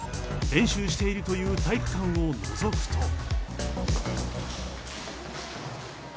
練習しているという体育館をのぞくと。